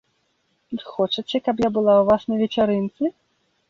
Вы хочаце, каб я была ў вас на вечарынцы?